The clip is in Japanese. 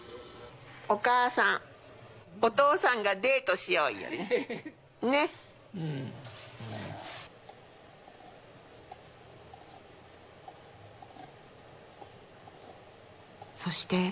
お母さんお父さんがデートしよういうて。